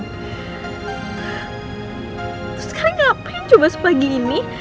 terus sekarang kenapa yang coba sebagini